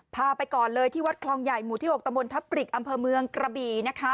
พาไปก่อนเลยที่วัดครองใหญ่หมู่ที่๖ตระมณ์ทะปริกอำเภอเมืองกระบี่